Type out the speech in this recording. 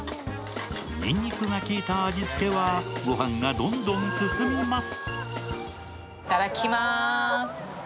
にんにくが効いた味付けはご飯がどんどん進みます。